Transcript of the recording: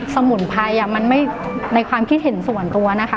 สมุนไพรมันไม่ในความคิดเห็นส่วนตัวนะคะ